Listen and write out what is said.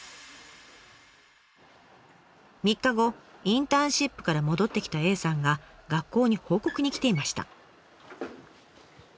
３日後インターンシップから戻ってきたエイさんが学校に報告に来ていました。